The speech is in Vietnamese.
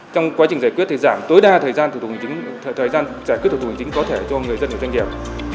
trong quá trình giải quyết thì giảm tối đa thời gian giải quyết thủ tục hành chính có thể cho người dân và doanh nghiệp